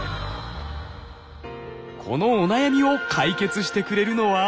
このお悩みを解決してくれるのは。